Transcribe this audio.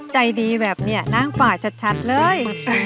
ใจดีแบบเนี่ยนางป่าชัดเลย